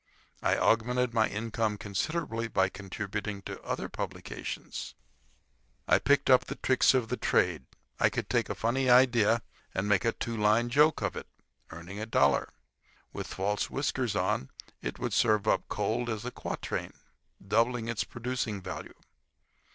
I augmented my income considerably by contributing to other publications. I picked up the tricks of the trade. I could take a funny idea and make a two line joke of it, earning a dollar. With false whiskers on, it would serve up cold as a quatrain, doubling its producing value.